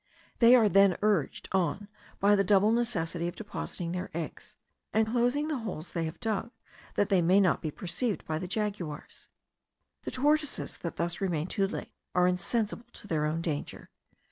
They are then urged on by the double necessity of depositing their eggs, and closing the holes they have dug, that they may not be perceived by the jaguars. The tortoises that thus remain too late are insensible to their own danger.